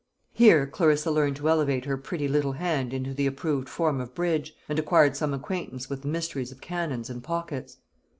Here Clarissa learned to elevate her pretty little hand into the approved form of bridge, and acquired some acquaintance with the mysteries of cannons and pockets.